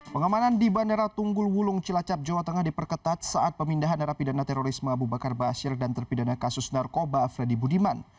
pengamanan di bandara tunggul wulung cilacap jawa tengah diperketat saat pemindahan narapidana terorisme abu bakar basir dan terpidana kasus narkoba freddy budiman